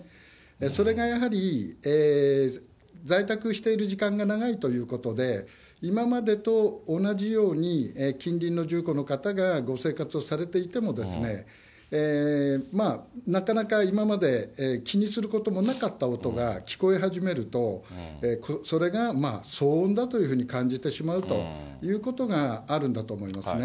それがやはり在宅している時間が長いということで、今までと同じように近隣の住戸の方がご生活をされていても、なかなか今まで気にすることもなかった音が、聞こえ始めると、それが騒音だというふうに感じてしまうということがあるんだと思いますね。